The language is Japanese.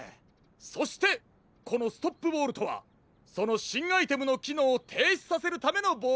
そしてこのストップボールとはそのしんアイテムのきのうをていしさせるためのボールなのです。